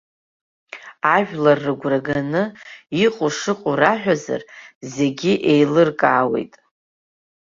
Ажәлар рыгәра ганы, иҟоу шыҟоу раҳәазар, зегьы еилыркаауеит.